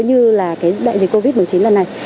như là cái đại dịch covid một mươi chín lần này